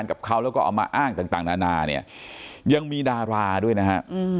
กับเขาแล้วก็เอามาอ้างต่างนานาเนี่ยยังมีดาราด้วยนะฮะ